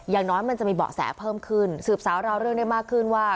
อย่างน้อยมันจะมีเบาะแสเพิ่มขึ้นสืบสาวราวเรื่องได้มากขึ้นว่า